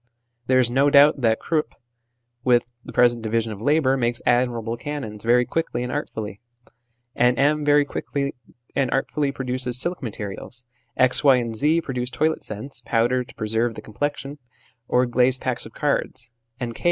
There is no doubt that Krupp, with the present division of labour, makes admirable cannons very quickly and art fully ; N. M. very quickly and artfully produces silk materials ; X. Y. and Z. produce toilet scents, powder to preserve the complexion, or glazed packs of cards; and K.